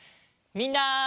みんな。